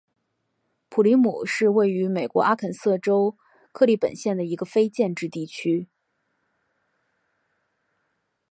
普里姆是位于美国阿肯色州克利本县的一个非建制地区。